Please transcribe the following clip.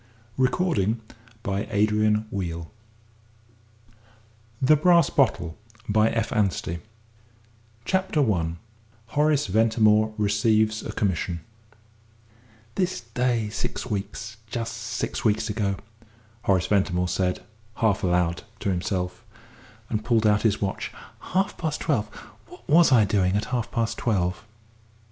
A GAME OF BLUFF 204 THE EPILOGUE 222 THE BRASS BOTTLE CHAPTER I HORACE VENTIMORE RECEIVES A COMMISSION "This day six weeks just six weeks ago!" Horace Ventimore said, half aloud, to himself, and pulled out his watch. "Half past twelve what was I doing at half past twelve?"